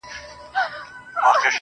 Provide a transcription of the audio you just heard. سیاه پوسي ده، دا دی لا خاندي~